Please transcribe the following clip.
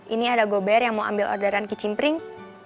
ini ada gober yang mau ambil orderan kicimpring